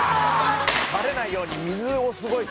バレないように水をすごい。